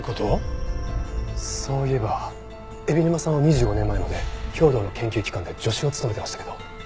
そういえば海老沼さんは２５年前まで兵働の研究機関で助手を務めていましたけど。